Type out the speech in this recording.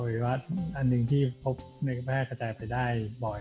อวิวัติอันหนึ่งที่พบเนื้อแพทย์กระจายไปได้บ่อย